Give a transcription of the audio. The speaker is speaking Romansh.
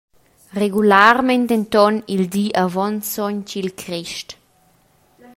Regularmein denton il di avon Sontgilcrest.